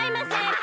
あ！